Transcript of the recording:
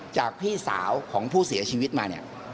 จากพี่สาวของผู้เสียชีวิตมา